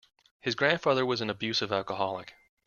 His grandfather was an abusive alcoholic.